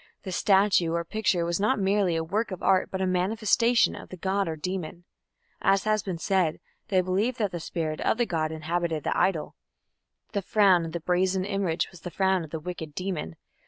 The statue or picture was not merely a work of art but a manifestation of the god or demon. As has been said, they believed that the spirit of the god inhabited the idol; the frown of the brazen image was the frown of the wicked demon.